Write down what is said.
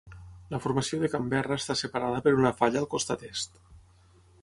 La Formació de Canberra està separada per una falla al costat est.